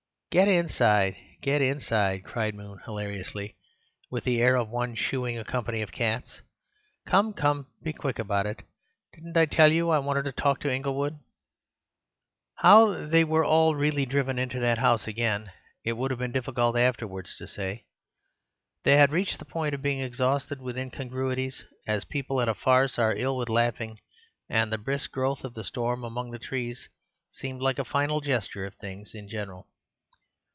"Get inside! get inside!" cried Moon hilariously, with the air of one shooing a company of cats. "Come, come, be quick about it! Didn't I tell you I wanted to talk to Inglewood?" How they were all really driven into the house again it would have been difficult afterwards to say. They had reached the point of being exhausted with incongruities, as people at a farce are ill with laughing, and the brisk growth of the storm among the trees seemed like a final gesture of things in general.